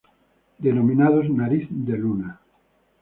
Denominados Nariz de luna.